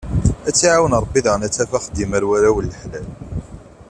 Ad tt-iɛiwen Rebbi daɣen ad taf axeddim ɣer warraw n laḥlal.